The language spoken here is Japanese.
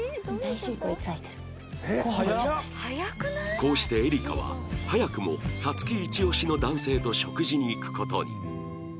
こうしてエリカは早くも皐月イチオシの男性と食事に行く事に